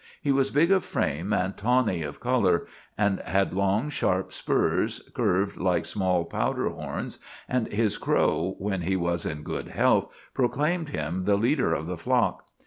He was big of frame and tawny of color, and had long, sharp spurs curved like small powder horns, and his crow when he was in good health proclaimed him the leader of the flock.